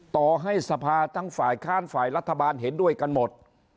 ต่อให้สภาทั้งฝ่ายค้านฝ่ายรัฐบาลเห็นด้วยกันหมด